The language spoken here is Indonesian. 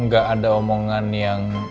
gak ada omongan yang